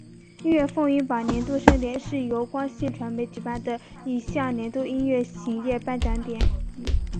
音乐风云榜年度盛典是由光线传媒举办的一项年度音乐行业颁奖礼。